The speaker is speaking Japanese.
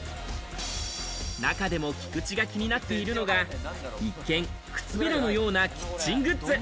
中でも菊地が気になっているのが一見靴べらのようなキッチングッズ。